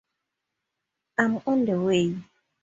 I'm on the way.